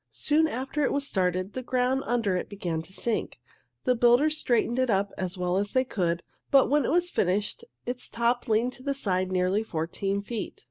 Soon after it was started, the ground under it began to sink. The builders straightened it up as well as they could, but when it was finished its top leaned to one side nearly fourteen feet.